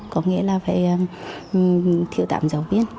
có nghĩa là phải thiếu tạm giáo viên